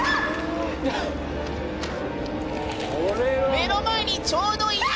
目の前にちょうどいた！